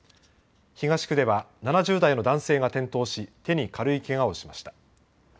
東区では７０代の男性が転倒し手に軽いけがをしました。